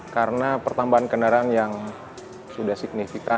karena pertambahan kendaraan yang sudah signifikan